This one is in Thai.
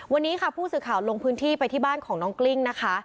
วันนี้ค่ะผู้สื่อข่าวลงพื้นที่ไปที่บ้านของน้องกลิ้งนะคะ